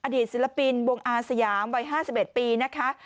อดีตศิลปินบวงอาสยามบ่อย๕๑ปีนะคะ